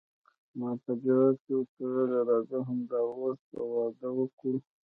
ما په جواب کې ورته وویل، راځه همد اوس به واده وکړو.